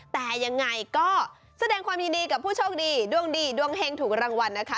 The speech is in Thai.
แต่ยังไงก็แสดงความยินดีกับผู้โชคดีดวงดีดวงเฮงถูกรางวัลนะคะ